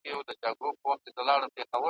نه به ږغ د محتسب وي نه دُره نه به جنون وي `